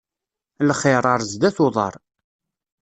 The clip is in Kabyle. Lxiṛ, ar zdat uḍaṛ.